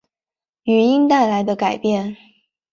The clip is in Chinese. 语音带来的改变